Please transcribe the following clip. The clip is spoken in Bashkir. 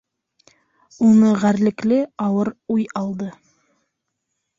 Уны ғәрлекле ауыр уй алды.